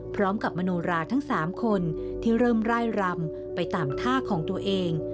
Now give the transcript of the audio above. พร้อมกับมโนราลทั้ง๓คนที่เริ่มร่ายลำไปตามท่าของตัวเอง